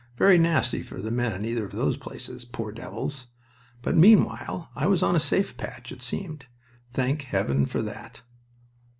Very nasty for the men in either of those places. Poor devils! But meanwhile I was on a safe patch, it seemed. Thank Heaven for that!